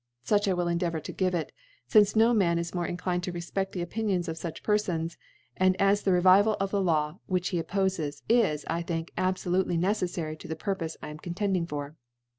Such I will endeavour to give it $ fince no Man is mcH'e inclined Co reaped the Opinions of fuch Persons, and as the Revival of the Law^ which heoppofes, is, I thtnk» abfolutely ne*^ eeffary to the Purpoie I am contending for.